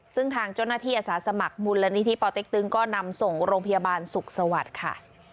ซึ่งทางเจ้าหน้าที่อาสาสมัครมูลนิธิปอเต็กตึงก็นำส่งโรงพยาบาลสุขสวัสดิ์ค่ะ